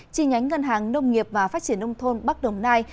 chi nhánh ngân hàng nông nghiệp và phát triển nông thôn bắc đồng nai